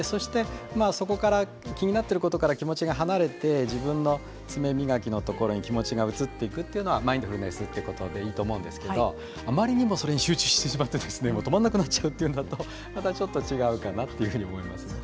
そこから気になっていることから気持ちが離れて自分の爪磨きのところに気持ちが移っていくというのはマインドフルネスということでいいと思うんですが、あまりにもそれに集中してしまって止まらなくなっちゃうというものだとまたちょっと違うかなと思います。